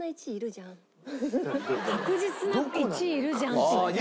確実な１位いるじゃんって言った。